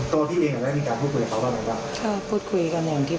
ตัวพี่เองอ่ะได้มีการพูดคุยกับเขาบ้างไหมคะ